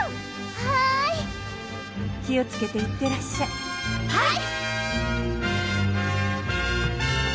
はい気をつけて行ってらっしゃいはい！